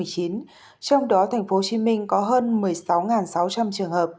trong đó tp hcm có hơn một mươi sáu sáu trăm linh trường hợp